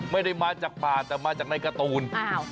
ไม่ได้มาจากป่าแต่มาจากในการ์ตูน